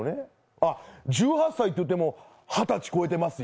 あ、１８歳といっても二十歳超えてますよ。